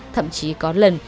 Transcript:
thậm chí có lần